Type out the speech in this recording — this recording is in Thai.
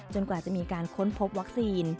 กว่าจะมีการค้นพบวัคซีน